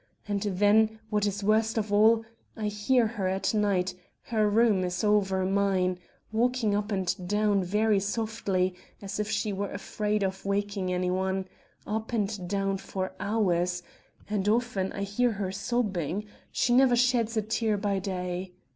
And then, what is worst of all, I hear her at night her room is over mine walking up and down, very softly as if she were afraid of waking anyone up and down for hours; and often I hear her sobbing she never sheds a tear by day!..."